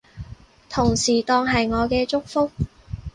同時當係我嘅祝福